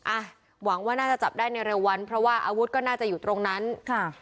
อ่ะหวังว่าน่าจะจับได้ในเร็ววันเพราะว่าอาวุธก็น่าจะอยู่ตรงนั้นค่ะ